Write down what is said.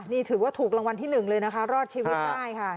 นี่ถือว่าถูกรางวัลที่๑เลยนะคะรอดชีวิตได้ค่ะ